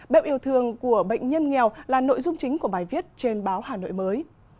bếp yêu thương của bệnh nhân nghèo là nội dung chính của bài viết trên báo hà nội mới